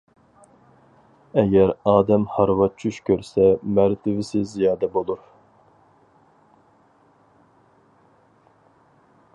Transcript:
ئەگەر ئادەم ھارۋا چۈش كۆرسە مەرتىۋىسى زىيادە بولۇر.